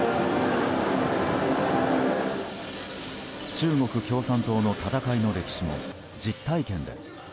中国共産党の戦いの歴史も実体験で。